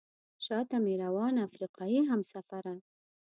شاته مې روانه افریقایي همسفره.